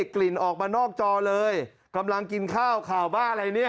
กลิ่นออกมานอกจอเลยกำลังกินข้าวข่าวบ้าอะไรเนี่ย